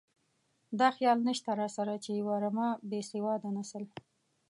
دا خیال نشته راسره چې یوه رمه بې سواده نسل.